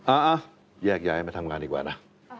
อ่ะแยกย้ายมาทำงานดีกว่านะ